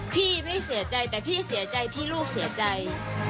พี่ไม่เสียใจแต่พี่เสียใจที่ลูกเสียใจ